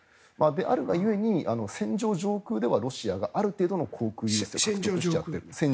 であるが故に、戦場上空ではロシアがある程度の航空優勢を取れている。